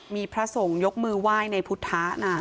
มีพระสงฆ์ยกมือไหว้ในพุทธะนะ